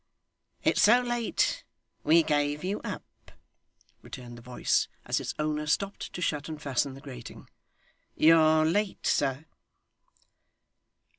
'It's so late, we gave you up,' returned the voice, as its owner stopped to shut and fasten the grating. 'You're late, sir.